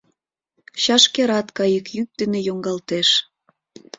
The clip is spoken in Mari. Чашкерат кайык йӱк дене йоҥгалтеш.